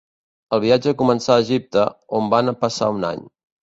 El viatge començà a Egipte, on van passar un any.